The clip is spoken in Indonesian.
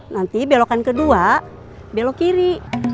nanti belokan kedua belok kiri